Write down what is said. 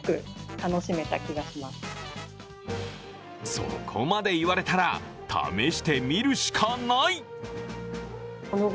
そこまで言われたら試してみるしかない！